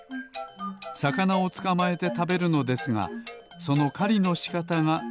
さかなをつかまえてたべるのですがそのかりのしかたがすこしかわっています